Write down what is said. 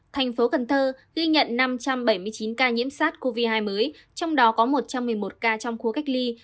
thành phố cần thơ ghi nhận năm trăm bảy mươi chín ca nhiễm sars cov hai mới trong đó có một trăm một mươi một ca trong khu cách ly